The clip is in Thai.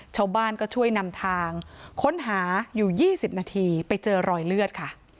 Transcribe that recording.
ชาวบ้านก็ช่วยนำทางค้นหาอยู่๒๐นาทีไปเจอรอยเลือดค่ะ